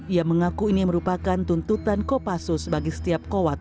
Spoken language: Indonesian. ia mengaku ini merupakan tuntutan kopassus bagi setiap kawat